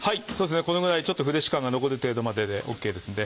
このぐらいちょっとフレッシュ感が残る程度まででＯＫですので。